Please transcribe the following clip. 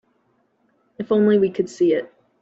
If only we could see it.